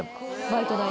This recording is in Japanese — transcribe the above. バイト代。